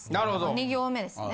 ２行目ですね。